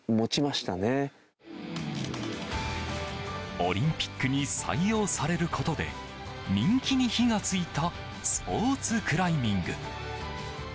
オリンピックに採用されることで人気に火がついたスポーツクライミング。